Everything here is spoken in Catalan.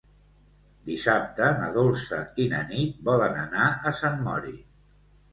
Dissabte na Dolça i na Nit volen anar a Sant Mori.